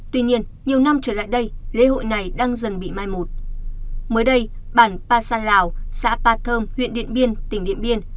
tuy nhiên nhiều năm trở lại đây lễ hội này đang dần bị mai một mới đây bản pa sa lào xã pa thơm huyện điện biên tỉnh điện biên